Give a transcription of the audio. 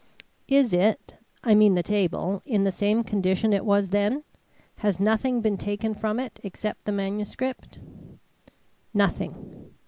"Is it I mean the table in the same condition it was then? Has nothing been taken from it except the manuscript?" "Nothing."